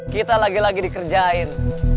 kita lagi lagi dikerjain